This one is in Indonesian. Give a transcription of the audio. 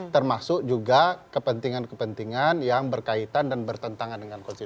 termasuk juga kepentingan kepentingan yang berkaitan dan bertentangan dengan konstitusi